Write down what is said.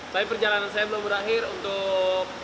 tapi perjalanan saya belum berakhir untuk